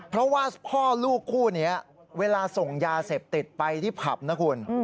เพราะว่าพ่อลูกคู่นี้เวลาส่งยาเสพติดไปที่ผับนะคุณ